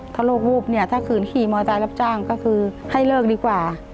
ถ้าโรควูบถ้าขืนขี่มอสายรับจ้างก็คือให้เลิกดีกว่า